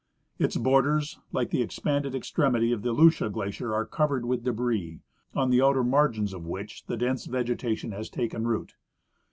Its borders, like the expanded extremity of the lAicia glacier, are covered Avith debris, on the outer margins of which dense vegetation has taken root.